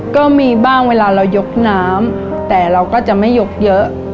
ก็มีบ้างเวลาเรายกน้ำแต่เราก็จะไม่ยกเยอะ